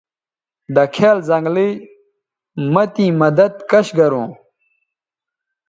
دکھیال زنگلئ مہ تیں مدد کش گروں